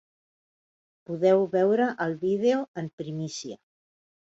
Podeu veure el vídeo en primícia.